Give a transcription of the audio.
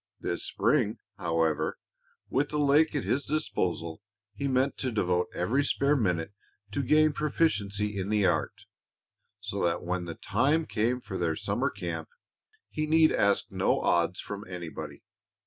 This spring, however, with the lake at his disposal, he meant to devote every spare minute to gaining proficiency in the art, so that when the time came for their summer camp he need ask no odds from anybody.